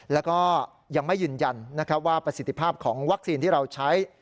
แล้วก็ยังไม่ยืนยันว่าประสิทธิภาพของวัคซีนที่เราใช้